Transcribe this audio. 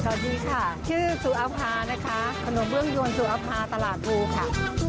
สวัสดีค่ะชื่อสุอภานะคะขนมเบื้องยวนสุอภาตลาดภูค่ะ